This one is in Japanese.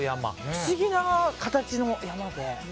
不思議な形の山で。